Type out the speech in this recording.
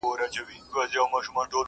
ټول مرغان دي په یوه خوله او سلا وي،